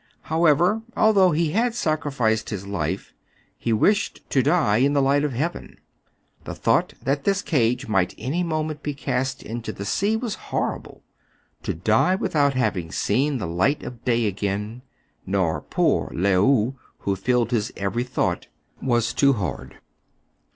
However, although he had sacrificed his life, he wished to die in the light of heaven. The thought that this cage might any moment be cast into the sea was horrible. To die without having seen the light of day again, nor poor Le ou, who filled his every thought, was too hard.